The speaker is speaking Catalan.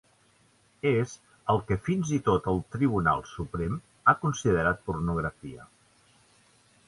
És el que fins i tot el Tribunal Suprem ha considerat pornografia.